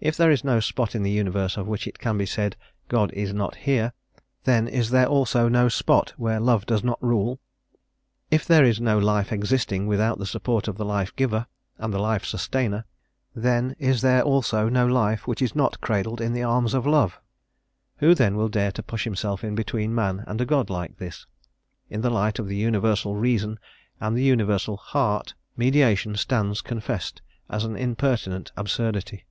If there is no spot in the universe of which it can be said, "God is not here," then is there also no spot where love does not rule; if there is no life existing without the support of the Life Giver and the Life Sustainer, then is there also no life which is not cradled in the arms of Love. Who then will dare to push himself in between man and a God like this? In the light of the Universal Reason and the Universal Heart mediation stands confessed as an impertinent absurdity.